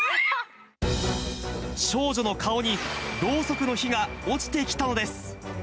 少女の顔にろうそくの火が落ちてきたのです。